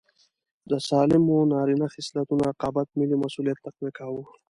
د سالمو نارینه خصلتونو رقابت ملي مسوولیت تقویه کاوه.